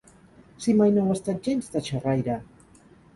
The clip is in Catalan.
Si mai no ho ha estat gens, de xerraire!